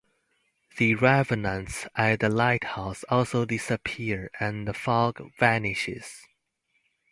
The revenants at the lighthouse also disappear, and the fog vanishes.